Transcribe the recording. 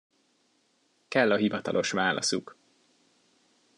Kell a hivatalos válaszuk.